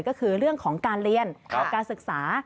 ก็คือเรื่องของการเรียนการศึกษา